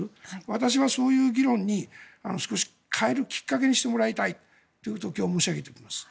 私はそういう議論に少し、変えるきっかけにしてもらいたいということを今日申し上げておきます。